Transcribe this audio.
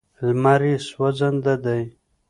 لمر یې سوځنده دی.